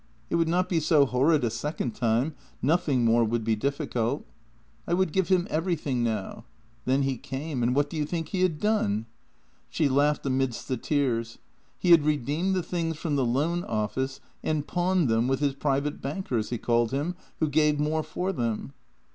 It would not be so horrid a second time — nothing more would be difficult. I would give him everything now. Then he came — and what do you think he had done? " She laughed amidst the tears. " He had re deemed the things from the loan office and pawned them with his private banker, as he called him, who gave more for them.